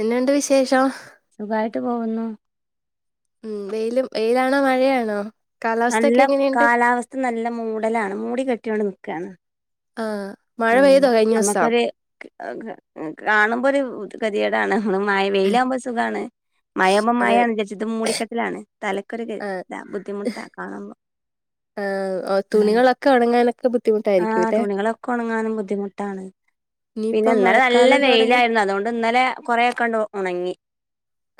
എന്നാണ്ട് വിശേഷോ സുഖായിട്ട് പോകുന്നു ഉം വെയിലും വെയിലാണോ മഴയാണോ നല്ല കാലാവസ്ഥയൊക്കെ എങ്ങനെയുണ്ട് കാലാവസ്ഥ നല്ല മൂടലാണ് മൂടി കെട്ടിയാവിടെ നി ക്കാണ് ആ മഴ ആ പെയ്തോ കഴിഞ്ഞ ദിവസം നമ്മുക്കൊരു ഏഹ് കാണുമ്പോ ഒരു ബു [unintelligible] ടാണ് ഒന്ന് മയ ഉം, വെയിലാവുമ്പോ സുഖാണ് മയമ്പോ അതെ മയായാണ് [unintelligible] മൂടിക്കെട്ടലാണ് തല ക്കൊരു ആ, ഇതാ ബുദ്ധിമുട്ട കാണുമ്പോ ആ ഓ ആഹ് തുണികളൊക്കെ ഉണങ്ങാനൊക്കെ ബുദ്ധിമുട്ടായിരിക്കുല്ലെ കോണങ്ങാനും ബുദ്ധിമുട്ടാണ് പിന്നെ ഇനിയിപ്പം ഇന്നലെ നല്ല മഴക്കാലം തുടങ്ങി വെയിലായിരുന്നു അതുകൊണ്ട് ഇന്നലെ കൊറേക്കാണ്ട് ഒണങ്ങി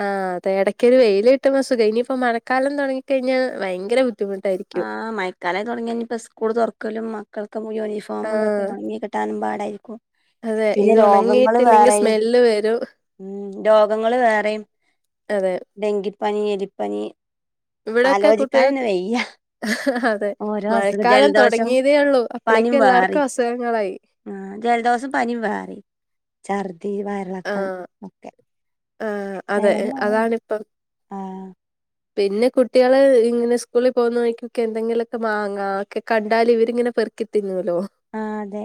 ആ അതേ എടക് ഒരു വെയിലിട്ടുമ്പോ സുഖവാ ഇനിപ്പോ മഴക്കാലം തൊടങ്ങിക്കഴിഞ്ഞാ ഭയങ്കര ബു ആ മയക്കാലായി തൊടങ്ങിക്കഴിഞ്ഞ ഇനിപ്പ സ്കൂൾ തൊറക്കലും മക്ക [unintelligible] യൂണിഫോം ആ ഇതൊക്കെ ഒണങ്ങി കിട്ടാനും പ അരിക്കോ അതെ പിന്നെ ഇത് രോഗങ്ങള് ഉണങ്ങിയിട്ടില്ലെങ്കിൽ വേറെയും സ്മെല്ല് വരും ഉം രോഗങ്ങള് വേറെയും അതെ ഡെങ്കി പനി എലിപ്പനി ഇവിടെയൊക്കെ ആലോജിക്കാൻ ഇന്ന് കുട്ടികൾക്ക് വയ്യ [unintelligible] അതെ ഓരോ അസുഖം മഴക്കാലം ജലദോഷം തൊടങ്ങിയതേ ഉള്ളൂ അപ്പളേക്ക് പനിം എല്ലാർക്കും വേറിം അസുഖങ്ങളായി ആ ചർ തീ വയറേളക്കം ഒക്കെ ആ ആ അതെ അതാണിപ്പം ആ പിന്നെ കുട്ടികള് ഇങ്ങനെ സ്കൂളി പോകുന്ന വഴിക്ക് ഒക്കെ എന്തെങ്കിലുമൊക്കെ മാങ്ങാ ഒക്കെ കണ്ടാലിവരിങ്ങനെ പെറുകി തിന്നു ആ അതെ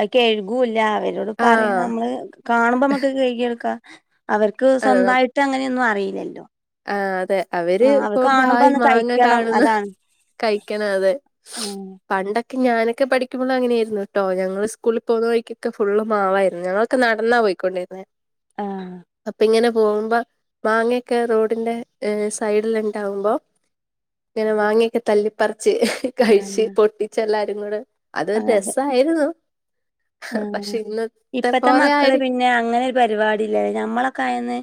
അത് കെഴുകൂല അവരോട് പറയണ ആഹ് നമ്മള് കാണുമ്പോ നമ്മക്ക് കെഴുകി എടുകാ അവർക്ക് സ്വന്തായിട്ട് അങ്ങനെയൊന്നും അ പയിലല്ലോ ആ അതെ അവര് ഇപ്പൊ പായി ഒന്ന് മാങ്ങ കഴിക്കണം കാണുന്നു അതാണ് കഴിക്കണം അതെ ആ പണ്ട ക്ക് ഞാനൊക്കെ പഠിക്കുമ്പോ അങ്ങനെയായിരുന്നു ട്ടോ ഞങ്ങള് സ്കൂൾ പോകുന്ന വഴിക്കൊക്കെ ഫുള്ള് മാവായിരുന്നു ഞങ്ങളൊക്കെ നടന്നാ പോയിക്കൊണ്ടിരിനെ ആ പോകുമ്പോ മാങ്ങയൊക്കെ റോ ഡിൻ്റെ സൈഡിൽ ഉണ്ടാകുമ്പോ ഇങ്ങനെ മാങ്ങയൊക്കെ തല്ലിപ്പറി ച്ച് ആ കഴിച്ച് പൊട്ടിച്ച് എല്ലാ രും കൂടെ ആ അതൊരു അതെ രസം ആയിരുന്നു ആ ഇപ്പത്തെ പോലെ മക്കള് ആയിരി പിന്നെ അങ്ങനനൊരു പരിപാടി ഇല്ല ഞമ്മളൊക്കെ ആരുന്നേ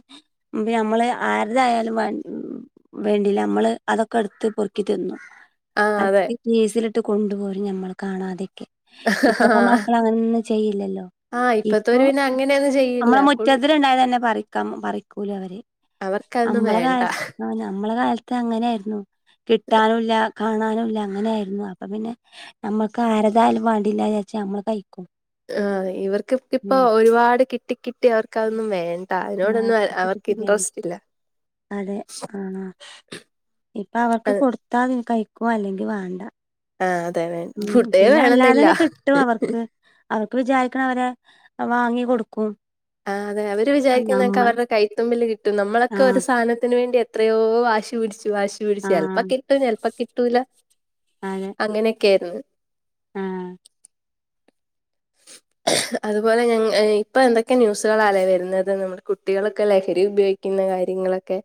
നമ്മള് ആരുടെ ആയാലും വ വേണ്ടില്ല നമ്മള് അതൊക്കെ എടുത്ത് പെറുക്കി തിന്നും ആഹ് [unintelligible] അതെ ഇട്ട് കൊണ്ടുപോരും നമ്മള് കാണാതൊക്കെ ആ ന്നും ചെയ്യില്ല ല്ലോ ഇപ്പൊ അങ്ങനെയൊന്നും ചെയ്യില്ല നമ്മളെ ഫുൾ മുറ്റത്ത് ര്ണ്ടായ തന്നെ പറിക്കാം പറിക്കൂല അവര് അവർക്കതൊന്നും ഞമ്മളെ വേണ്ട കാലത്ത് ഞമ്മളെ കാലത്ത് അങ്ങനെയായിരുന്നു കിട്ടാനുല്ല കാണാനും ഇല്ല അങ്ങനെ ആരുന്നു അപ്പൊ പിന്നെ നമ്മക്ക് ആരതായാലും വാണ്ടില്ലാന്ന് ചാരിച് നമ്മള് കഴിക്കും ആ ഇവർക്ക് ഇപ് ഇപ്പൊ ഉം ഒരുപാട് കിട്ടി കിട്ടി അവർക്ക് അത് ന്നും വേൺ ആ അതിനോടൊന്നും കിട്ടി കിട്ടി വേണ്ട അതെ ആഹ് ഇപ്പൊ അവർക്ക് അത് കൊടുത്ത അവര് കൈ ക്കോ അല്ലെങ്കി വാണ്ട ആഹ് അതെ വേണ് ഫുഡേ വേണന്നില്ല അല്ലാതെന്നെ കിട്ടും അവർക്ക് അവർക്ക് വിചാരിക്കണം അവരെ വാങ്ങി കൊടുക്കും ആഹ് അതെ അതെ വര് ആ, വിചാരിക്കുന്നൊക്കെ നമ്മൾ അവരുടെ കൈത്തുമ്പില് കിട്ടും നമ്മളൊക്ക ഒരു ആഹ് സാധനത്തിന് വേണ്ടി എ ത്രയോ വാശി പിടിച്ച് വാശി പിടിച്ച് ചെൽപ്പം ആഹ് കിട്ടും ചെൽപ്പം കിട്ടൂല അതെ അങ്ങെനെ ക്കേര്ന്ന് ആഹ് അതുപോലെ ഞങ്‌ ഇപ്പൊ എന്തൊക്കെ ന്യൂസുകളാലെ വരുന്നത് നമ്മുടെ കുട്ടികളൊക്കെ ലഹരി ഉപയോഗിക്കുന്ന കാര്യങ്ങളൊക്കെ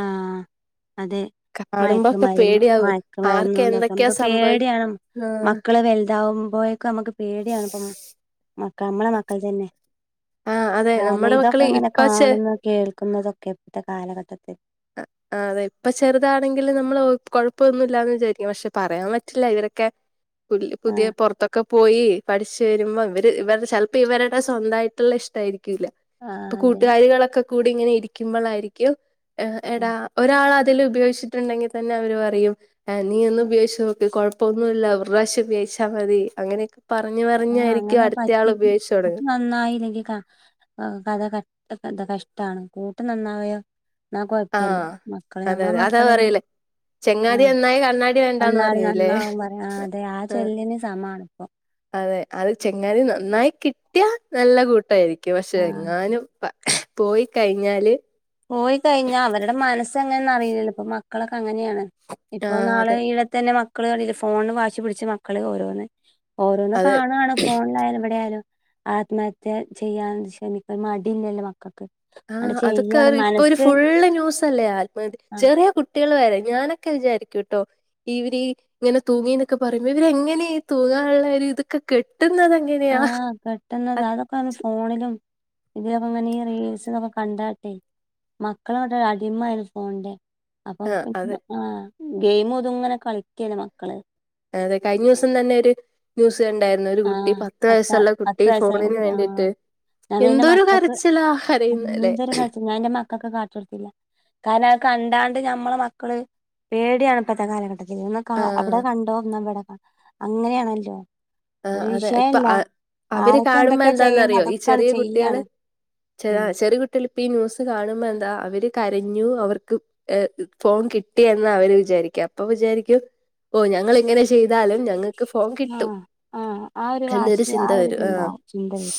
ആഹ് അതെ കാണുമ്പോക്കെ മയക്കുമരുന്ന് പേടിയാവ് മയക്കുമരുന്ന് ആർക്ക് കൊണ്ടൊക്കെ എന്തൊക്കെയാ നമുക്ക് സംഭവി പേടിയാകുവ ആഹ് മക്കള് വലുതാവുമ്പോഴേക്ക് നമക്ക് പേ ടിയാണിപ്പം മ കമ്മട മക്കൾ തന്നെ ആഹ് അതെ കാരണം നമ്മുടെ ഇതൊക്കെ മക്കള് അങ്ങനെ ഇപ്പ ചെ കാണുന്ന കേൾക്കുന്നതൊക്കെ ഇപ്പത്തെ കാലഘട്ട അതെ ഇപ്പൊ ചെറുതാണെങ്കില് നമ്മള് കൊഴൊപ്പൊന്നില്ലാന്ന് വിചാരിക്കും പക്ഷെ പറയാൻ പറ്റില്ല ഇവരൊക്കെ പുല് പുതിയ ആഹ് പൊറത്തൊക്ക പോയി പഠിച്ചു വരുമ്പൊ ഇവര് ഇവരുടെ ചെൽപ്പ ഇവരട സ്വന്തയിട്ടുള്ള ഇഷ്ടായിരിക് ക്കില്ല ഇപ്പ ആഹ് അതെ കൂട്ടുകാരിളൊക്കെ കൂടി ഇങ്ങനെ ഇരിക്കുമ്പോളായിരിക്കും എടാ ഒരാള തെല്ലും ഉപയോഗിച്ചിട്ടുണ്ടെങ്കി തന്ന അവര് പറയും നീ ഒന്ന് ഉപയോഗിച്ച് നോക്ക് കുഴപ്പൊന്നുല്ല ഒരുറാവിശം ഉപയോഗിച്ചാ മതി അങ്ങനെക്ക ആ അങ്ങന പറ്റി കു തുടങ്ങുക [unintelligible] നന്നായില്ലെങ്കി ക കഥ കഴി അതൊക്കന്ത കഷ്ടാണ് കൂട്ട് നന്നായാ എന്ന കൊഴപ്പില്ല ആഹ് മക്കള് അതെ ഞമ്മള അതെ അതാ മക്കളില്ലെ പറയലേ ചെങ്ങാതി ആഹ് നന്നായി കണ്ണാടി വേണ്ടാന്ന് ഒന്നാണ് പറയൂലേ നന്നാവും പറയാ ആഹ് അതെ ആ ആഹ് ചൊല്ലിന് സമാണ് ഇപ്പം അതെ അത് ചെങ്ങാതി നന്നായി കിട്ടിയ നല്ല കൂട്ടായിരിക്കും ക്കെ പക്ഷെ ആഹ് എങ്ങാനും പ പോയി കഴിഞ്ഞാല് പോയി കഴിഞ്ഞ അവരുടെ മനസ്സെങ്ങനാന്ന് അറിയില്ലല്ലോ ഇപ്പൊ മക്കളെ കാ അങ്ങനെയാണ് ഇപ്പോ ആഹ് നാളെ അതെ ഇടെ തന്നെ മക് ക്കള് കണ്ല്ലെ ഫോണിന് വാശി പിടിച്ച് മക്കളെ ഓരോന്ന് ഓരോന്ന് അതെ കാണുവാണ് ഫോണിലായാലും എവിടെയാലും ആത്മഹത്യ ചെയ്യാൻ ക്ഷമിക്ക മടിയില്ലല്ലോ മക്കൾക്ക് അങ്ങട് ആഹ് അതക് ചെയ്യാണ് ഇപ്പോ ഒരു മനസ്സ് ഫുള് ന്യൂസല്ലേ ആത്മഹത്യ ആ ചെറിയ കുട്ടികൾ വരെ ഞാനൊക്കെ വിചാരിക്കൂട്ടോ ഇവരീ ഇങ്ങനെ തൂങ്ങി എന്നൊക്കെ പറയുമ്പോ ഇവര്ങ്ങനെ തൂങ്ങാനുള്ള ഇതൊക്കെെ ആഹ് കെട്ടുന്നത് അതൊക്കെങ് ഫോണിലും ഇതിക്ക ഇങ്ങനെ ഈ റീൽസ്ന്നൊക്കെ കണ്ടാട്ടെ മക്കളക്കെ അടിമ ആരുന്നു ഫോണിന്റെ അപ്പൊ ആഹ് അതെ ആഹ് ഗെയിമ ഒതുംങ്ങനെ കളിക്കന്ന മക്കള് അതെ കഴിഞ്ഞ ദിവസം തന്നെ ഒരു ന്യൂസ് ണ്ടായിരുന്നു ഒരു കുട്ടി ആഹ് പത്ത് പത്ത വയസുള്ള കുട്ടി പത്ത് വയസ്സായ ഫോണിന് കുട്ടി വേണ്ടിട്ട് ആഹ് ഞാൻ പിന്നെ എന്റെ എന്തോരു മക്കൾക്ക് കരച്ചില ആ അരയുന്നല്ലേ ഒക്കെ കാട്ട കൊടുത്തില്ല കാരണം അ കണ്ടാണ്ട് നമ്മളെ മക്കള് പേടിയാണ് ഇപ്പോഴത്തെ കാലഘട്ട അന്ന് അവിടെ ആഹ് കണ്ടോന്ന്വിടെ അങ്ങനെയാണല്ലോ ആ ഒരു അതെ ഇപ്പൊ വിഷയല്ല അവര് ആരൊക്കെ കാണുമ്പോ എന്തൊക്കെയാ ചെയ്യുന്നത് എന്താന്നറിയോ ഈ അതൊക്കെയാണ് ചെറിയ കുട്ടികള് ചെയ്യാണ് ഉം ചെറിയ കുട്ടികൾ ഇപ്പ ഈ ന്യൂസ് കാണുമ്പോ എന്താ അവര് കരഞ്ഞു അവർക്ക് ഫോൺ കിട്ടിന്ന് അവര് വിചാരിക്കും അപ്പൊ വിചാരിക്കും ഓ ഞങ്ങിങ്ങനെ ചെയ്താലും ഞങ്ങക്ക് ഫോം കിട്ടും ആഹ് ആഹ് ആ ഒരു എന്നൊരു വാഷി ആ ചിന്ത വരും ഒരിതുണ്ടാവും ചിന്ത വരും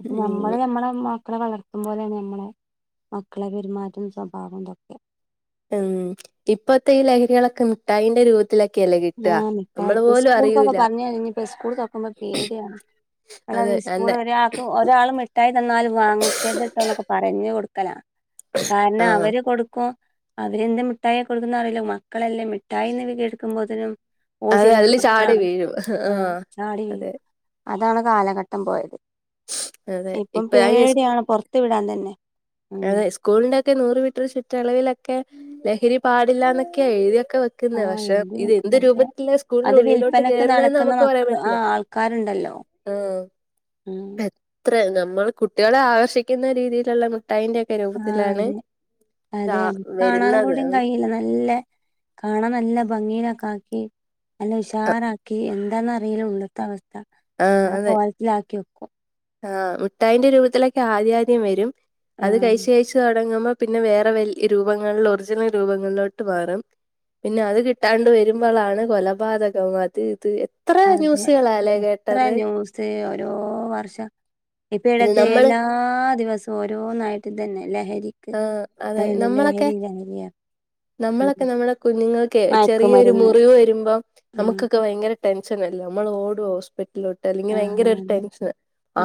അപ്പ ഉം നമ്മള് നമ്മള മക്കളെ വളർത്തും പോലെയാണ് നമ്മളെ മക്കളെ പെരുമാറ്റം സ്വഭാവം ഇതൊക്കെ ഉം ഇപ്പത്തെ ഈ ലഹരികളൊക്കെ മിട്ടായിന്റെ രൂപത്തി ആ മിഠായി സ്കൂൾക്കൊക്കെ അറിയൂല പറഞ്ഞഞ് കഴിഞ്ഞ സ്കൂൾ തോക്കുമ്പോ പേടിയാണ് അതെ സ്കൂൾ എന്റെ ഒരാൾക്ക് ഒരാൾ മിഠായി തന്നാലും വാങ്ങിക്കത്ട്ടോന്നൊക്കെ പറഞ്ഞു കൊടു കല ആ കാരണം അവര് കൊടുക്കും അവര്ന്താ മിഠായ കൊടുക്കുനറിയില്ല മക്കളല്ലേ മിഠായിന്ന്കെ കേൾക്കുമ്പോ ത്തരം അതെ അതില് ചാടി വീഴും ആ ആഹ് ചാടി വീഴും അതെ അതാണ് കാലഘട്ടം പോയത് അതെ ഇപ്പം ഇപ്പൊ അയിന് പേടിയാണ് പൊറത്തു വിടാൻ തന്നെ ഉം അതെ സ്കൂളിന്റെ ക്കെ നൂറ് മീറ്റർ ചുറ്റളവിലൊക്കെ ലഹരി പാടില്ലന്നക്കൊയ എഴുതി ക്കെ വെക്കുന്ന ആഹ് പക്ഷെ എഴുതി ഇത് വെക്കും എന്ത് പക്ഷെ രൂപത്തില അത് സ്കൂളിനുള്ളിലോട്ട് വിൽപ്പനക്ക് കേറുന്നെന്ന് നടക്കുന്ന നമുക്ക് മക്ക പറയാൻ ആ പറ്റില്ല ആൾക്കാരുണ്ടല്ലോ ഉം [unintelligible] നമ്മൾ കുട്ടികളെ ആകർഷിക്കുന്ന രീതിയിലുള്ള മി ആഹ് അതെ അതെ ഇതാ നമക് കാണാനു വരുന്നത് കൂടി കഴില്ല നല്ല കാണാൻ നല്ല ഭംഗിയിലെക്കെ ആക്കി അല്ല ഉഷാറാക്കി എ എന്താന്നറീല ഉള്ള്ത്തവസ്ഥ ആഹ് നല്ല അതെ പോളത്തിലാക്കിവയ് ആഹ് മുട്ടായിന്റെ രൂപത്തിലൊക്കെ ആദ്യ ആദ്യം വെരും അത് ആഹ് കയിച്ച് കയിച്ച് തൊടങ്ങ്മ്പം പിന്നെ വേറെ വെൽ രൂപങ്ങള്ല് ഒറിജിനൽ രൂപങ്ങളിലോട്ട് മാറും പിന്നെ അത് കിട്ടാണ്ട് വരുമ്പളാണ് കൊലപാതകം അത് ഇത് എ അതെ എത്ര ന്യൂസ് ഒരോ വർഷ ഇപ്പ ഇത് ഇടെത്തെ നമ്മൾ എല്ലാ ദിവസം ഓരോന്നായിട്ട് ഇതന്നെ ലഹരി ആഹ് അതെ നമ്മളക്കെ ലഹരി ലഹരിയ നമ്മളൊക്കെ ഉം നമ്മളെ കുഞ്ഞങ്ങൾക്കെ ചെറിയെരു മയക്കുമരുന്ന് മുറിവ് വെരുമ്പം ഉം അമക്കൊക്കെ ഭയങ്കര ടെൻഷനല്ലെ നമ്മള് ഓടോസ് പ്പെട്ട്ലോട്ട് അല്ലെങ്കി ആഹ് ഭയങ്കരൊര് അതെ ടെൻഷന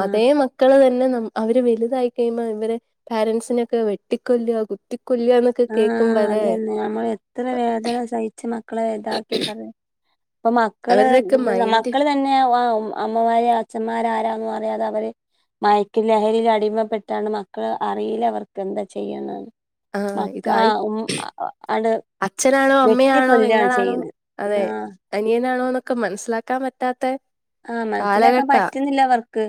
ആഹ് മക്കള് ഇല്ലനം അവര് വല്തായി കഴിയുമ്പോ ഇവര് പാരൻസിനേ വെട്ടിക്കൊല്ലാ കുത്തി ആഹ് അതന്നെ നമ്മള് എത്ര വേദന സഹിച്ച് മക്കളെ വല് ഇതാക്കി പറഞ്ഞ് ഇപ്പം മക്കള് അവരുടെയൊക്കെ മൈൻഡ് മക്കള് തന്നെ അമ്മമാര് അച്ഛന്മാര് ആരാന്ന് അതെ അവര് മയക്ക് ലഹരി അടിമപ്പെട്ടാണ് മക്കള് അറിയില്ല അവർക്ക് എന്താ ചെയ്യുന്നന്ന് ആാ ഇതായി ആണ്ട് അച്ഛനാണോ വെട്ടി അമ്മയാണോ കൊല്ലാണ് പെങ്ങളാണോ ചെയ്യണെ അതെ ആഹ് അനിയനാണോ എന്നൊ മനസ്സിലാക്കാൻ പറ്റാത്തെ ആ മനസ്സിലാക്കാൻ പറ്റുന്നില്ല അവർക്ക്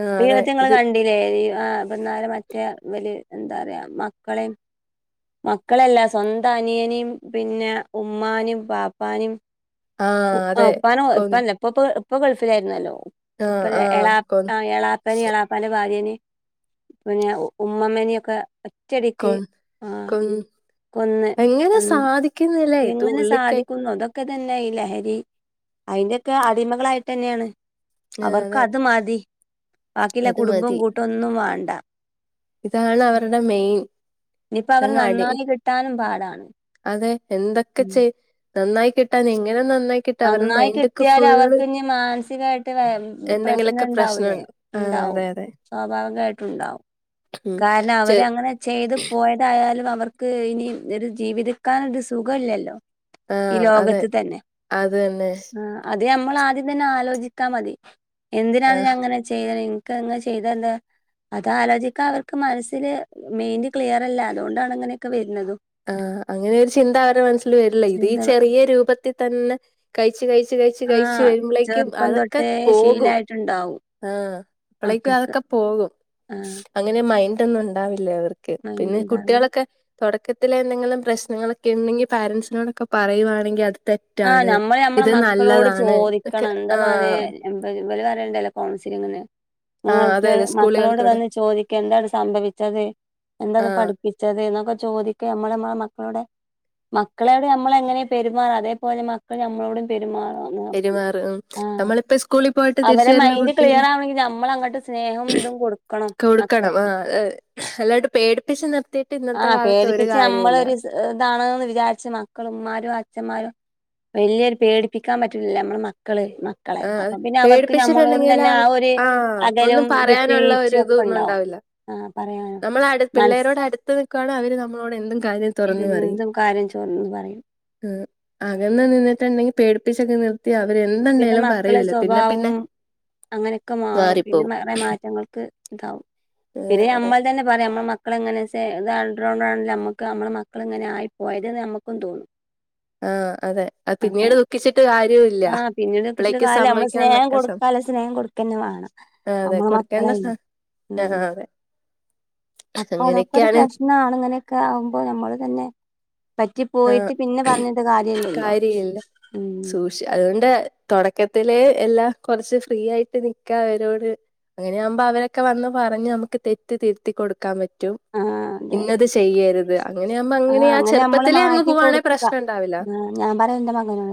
ആഹ് അതെ ഇവിടത്തെ നിങ്ങള് ഇത് കണ്ടില്ലേ ആ പിന്നാലെ മറ്റേ വലിയ എന്താ പറയാ മക്കളെയും മക്കളല്ല സ്വന്തം അനിയനും പിന്നെ ഉമ്മാനേയും പാപ്പാനേയും ഉ ആഹ് ആ അതെ ഉപ്പാനോ കൊന്ന് ഉപ്പല്ല ഇപ്പൊ പ്പോ ഇപ്പൊ ഗൾഫിലായിരുന്നല്ലോ ആഹ് ഉപ്പനേ ആഹ് എളാ കൊന്ന് ആ എളാപ്പനെയും എളാപ്പന്റെ ഭാര്യനെയും പിന്നെ ഉമ്മമ്മേനൊക്കെ കൊന് കൊന് കൊന്ന് എങ്ങനെ ഉം സാധിക്കുന്നില്ലേ ഇത് ഉള്ളിക്കെ ഒക്കെ തന്നായില്ലേ ശരി അതിന്റെ ഒക്കെ അടിമകളായിട്ട് തന്നെയാണ് ആ, അവർക്ക് അതെ അത് മതി ബാക്കിയുള്ള അത് കുടുംബവും മതി കൂട്ടും ഒന്നും വാം ഇതാണ് അവരുടെ മെയിൻ ഇനിയിപ്പോ അവര് അങ്ങ് അടി നന്നായി കിട്ടാനും പാടാണ് അതെ എന്തൊക്കെ മ് ചെയ് നന്നായി കിട്ടാൻ എങ്ങനെ നന്ന നന്നായി കിട്ടിയാലേ അവർക്ക് ഇനി മാനസികയായിട്ട് വേറെന്തു പ്രശ്നം എന്തെങ്കിലൊക്കെ ഉണ്ടാവൂലേ പ്രശ്നണ്ട് ആഹ് ഉണ്ടാവും അതെ അതെ സ്വാഭാവികമായിട്ട് ഉണ്ടാവും ഉം കാരണം ചെ അവര് അങ്ങനെ ചെയ്ത് പോയതാ എതായാലും അവർക്ക് ഇനി ഒരു ജീവതിക്കാൻ ഒരു സുഖം ഇല്ലല്ലോ ആഹ അതെ അത് തന്നെ ഇത് നമ്മൾ ആദ്യം തന്നെ ആലോചിക്കാ മതി എന്തിനാണ് ആഹ് നങ്ങനെ ചെയ്തത് ക്കെ അങ്ങ് ചെയ്താ എന്താ അത് ആലോചിക്കാ അവർ ക്ക്‌ മനസ്സില് മെയിന്റ് ക്ലിയർ അല്ല അതുകൊണ്ടാണ് ഇങ്ങനെയൊക്കെ വരുന്നതും ആഹ അങ്ങനെ ഒരു ചിന്ത അവരുടെ മനസ്സിൽ വരില്ല ഇത് ഈ ചിന്ത ചെറിയ രൂപത്തിൽ തന്നെ കഴിച്ചു കഴി ച്ച് കഴിച്ച് കഴിച്ചു ആഹ് വരുമ്പോളേക്കും ചെറുപ്പം അതൊക്കെ തൊട്ടേ പോകും ശീലായിട്ടുണ്ടാവും ആഹ അപ്പോളേക്കും മക്കക്ക്. അതൊക്കെ പോകും ആഹ് അങ്ങനെ മൈന്റ് ഒന്നും ഉണ്ടാവില്ലേവർ ക്ക് പിന്നെ മൈൻഡുണ്ടാവില്ല. കുട്ടികളൊക്കെ തുടക്കത്തിലേ എന്തെങ്കിലും പ്രശ്നങ്ങളൊക്കെ ഉണ്ടെങ്കിൽ പാരന്റ്സിനോടൊക്കെ പറയുവാണെങ്കിൽ അത് ആഹ് തെറ്റാണ് നമ്മള് നമ്മളെ ഇത് മക്കളോട് നല്ലതാണ് ഒക്കെ ചോദിക്കണം എന്താ മോനേ ആഹ് എന്താ ഇവര് വരണ്ടയല്ലേ കോൺസിലിങ്ങിന് ആഹ് അതെ അതെ [unintelligible] മക്കളോട് സ്കൂളുകൾക്കിവിടെ വന്ന് ചോദിക്ക എന്താണ് സംഭവിച്ചത് എന്താണ് ആഹ് പഠിപ്പിച്ചത് എന്നൊക്കെ ചോദിക്ക നമ്മള് നമ്മെ മ ഓടെ മക്കളെയോട് നമ്മള് എങ്ങനെയാ പെരുമാറാ അതേ പോലെ മക്കൾ നമ്മളോടും പെരു പെരുമാറും ഉം നമ്മളിപ്പോ സ്കൂളിൽ പോയിട്ട് തിരിച്ച് അവരെ വരുന്ന മൈൻഡ് ക്ലിയർ കുട്ടീനെ ആവണെങ്കിൽ നമ്മൾ അങ്ങോട്ട് സ്നേഹം ഇതും കൊടുക്കണം കൊടുക്കണം മക്കൾക്ക് ആഹ ആ അല്ലാണ്ട് പേടിപ്പിച്ചു നിർത്തി ആഹ പേടിപ്പിച്ച് നമ്മളൊരു ഇതാണ്ന്ന് വിചാരിച്ച് മക്കളുംമാരും അ അച്ഛന്മാരും വലിയൊരു പേടിപ്പിക്കാൻ പറ്റൂല്ലല്ലോ നമ്മെ മ മക്കള് മക്കളെ ആഹ് അപ്പൊ പിന്നെ അവർക്ക് നമ്മളോട് പേടിപ്പിച്ചിട്ടുണ്ടെങ്കിൽ തന്നെ ആ ഒരു ആഹ് ഒന്നും അകലും പറയാനുള്ള ഒരു വിട്ടുവീഴ്ച്ചയും ഒക്കെ ഇതൊന്നും ഉണ്ടാവും ഉണ്ടാവില്ല ആ പറയാനോ മനസ്സ ക്കുവാണേ അവര് നമ്മളോട് എന്തും കാര്യം തുറന്ന് പറയും കാര്യം ചോർന്ന് പറയും. ആഹ് അകന്ന് നിന്നിട്ടുണ്ടെ പേടിപ്പിച്ചൊക്കെ നിർ അവര് പിന്നെ എന്തുണ്ടായാലും മക്കളെ സ്വഭാവവും അങ്ങനെയൊക്കെ മാറും പിന്നെ മാറിപ്പോവും വേറെ മാറ്റങ്ങൾക്ക് ഇതാവും ഏഹ് പിന്നെ അതെ നമ്മൾ തന്നെ പറ നമ്മ മക്കളെങ്ങനെ ചേ ഇ [unintelligible] നമ്മുക്ക് നമ്മടെ മക്കൾ ഇങ്ങനെ ആയി പോയതെന്ന് നമ്മുക്കും തോന്നും ആഹ അതെ അ അപ്പൊ പിന്നീട് ദുഃഖിച്ചിട്ട് കാര്യവും ഇല്ല ആഹ് പിന്നീട് ഇച്ചിരി അപ്പളേക്ക് കാലം നമ്മള് സ്നേഹം സംഭവിക്കാനുള്ളൊക്കെ സം കൊടുക്കാല്ല സ്നേഹം കൊടുക്കന്നെ വേണം. അതെ നമ്മളെ കൊടുക്കേണ്ട മക്കളല്ലേ ആ ഉം. ആ അതെ അപ്പൊ അതൊക്കെ ഒരു അങ്ങനെയൊക്കെയാണ് പ്രശ്നാണ് ങ്ങനെക്കെ ആവുമ്പോ നമ്മള് തന്നെ പറ്റി ആഹ് പോയിട്ട് പിന്നെ പറഞ്ഞിട്ട് കാര്യല്ല്യലോ കാര്യയില്ല ഉം ത്തില് എല്ലാം കുറച്ച് ഫ്രീ ആയിട്ട് നിക്കാ അവരോട് അങ്ങനെയാകുമ്പോ അവരൊക്കെ വന്ന് പറഞ്ഞ് നമുക്ക് തെറ്റ് തിരുത്തി കൊടുക്കാൻ പറ്റ റ്റും ആഹ് അതെ ഇന്നത് ചെയ്യരുത് അങ്ങനെയാവുമ്പോ അങ്ങനെ ചെറു മാറ്റികൊടുക്ക ഞാൻ പറയാ എന്റെ മകനോ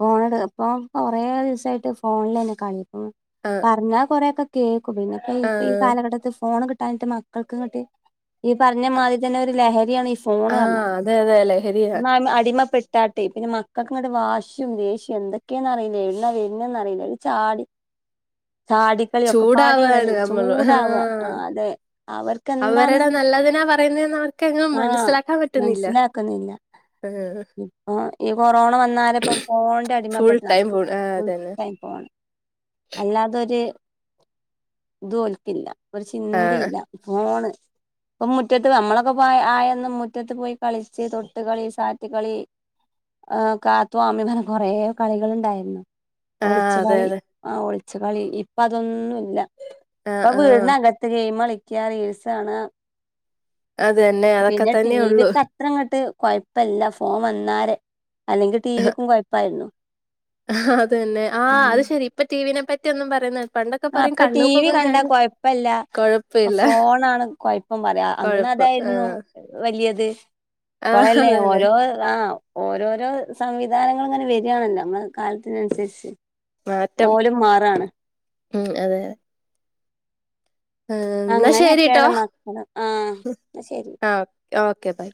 ഫോണടു അപ്പൊ കൊറേ വസായിട്ട് ഫോണിലെന്നെ കളി ഉം ആഹ് പറഞ്ഞാ കൊറേക്കെ കേ [unintelligible] പിന്നെ ഇപ്പൊ ഈ ആഹ് കാലഘട്ടത്തിൽ ഫോൺ കിട്ട [unintelligible] [unintelligible] ഈ പറഞ്ഞമാതിരി തന്നെ ഒരു ലഹരിയാണ് ഈ ആഹ് ഫോൺപറഞ്ഞാ അതെ അതെ ലഹരിയാ അയ്മേ അടിമപ്പെട്ടാട്ടെ പിന്നെ മക്ക മകക്ക് ഇങ്ങോട്ട് വാശൃം ദേഷ്യവും എന്തൊക്കെയന്ന് അറിയില്ല എടുന്നാ വരുന്നതറീല്ല ഒരു ചാടി ചാടിക്കളിയ ഒക്കെപാടെണെലോ ചൂടാവാണ് നമ്മള് ചൂടാവാ ആ ആഹ് അതെ അവർക്ക് ക്കെന്തന്നു ന്നപറയുന്നേ ന്നാ ആഹ മനസ് ലാക്കുന്നില്ല ആഹ് ഇപ്പൊ ഈ കൊറോണ വന്നാലെപ്പം ഫോൺന്റെ ഫുൾ അടിമപ്പെട്ട് ടൈം ഫുൾ നടക്ക ആഹ് അതന്നെ ഫുൾടൈം ഫോണ് അല്ലാതൊരു തോൽക്കില്ല ഒരു ആഹ് ചിന്തില്ല ഫോണ് പ്പമുറ്റത്ത് നമ്മള പ്പ പായ ആയൊന്നും മുറ്റത്ത് പോയി കളിച്ച് തൊട്ട് കളി സാറ്റ് കളി കാത്തു ആമി ന്നങ്ങനെ കുറേ കളികളുണ്ടായിനി ആഹ് അതെ ഒളിച്ച്കളി അതെ ആ ഒള പച്ച കളി ഇപ്പ അതൊന്നുംഇല്ല ആഹ് ഇപ്പം ആഹ് വീട്നകത്ത് ഗെയിംകളി [unintelligible] റീൽസ് ആാണ് അതെന്നെ അതൊക്കെ തന്നെ ഉള്ളു കൊഴപ്പില്ല ഫോൺ വന്നാരെ അല്ലെങ്കിൽ ടിവിക്കും കുഴപ്പായിരുന്നു അതന്നെ ആ അത് ശെരി ഇപ്പൊ ടിവിനെ പറ്റി [unintelligible] പറയുന്നത് ആ ഇപ്പം ടിവി കണ്ടാ കുഴപ്പല്ല കൊഴപ്പില്ല ഫോണാണ് കുഴപ്പം പറയാ അന്ന് കൊഴപ്പം അതായിരുന്നു ആഹ് വലിയത് ആഹ് ഇപ്പളല്ലേ അതന്നെ ഓരോരോ സംവിധാനം ഇപ്പങ്ങനെ വരാണല്ലോ നമ്മളുടെ കാലത്തിനനുസരിച്ച് മാറ്റം ഓലും മാറാണ് ഉം അതെ അതെ ആ എന്നാ ശരിട്ടോ അങ്ങനെയൊക്കെയാണ് മക്കള് ആ ന്നാ ശരി ആ ഓക്കെ ബൈ